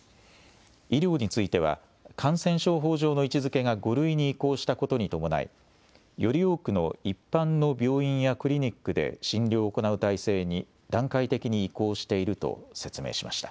医療については、感染症法上の位置づけが５類に移行したことに伴い、より多くの一般の病院やクリニックで診療を行う体制に段階的に移行していると説明しました。